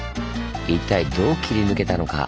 一体どう切り抜けたのか？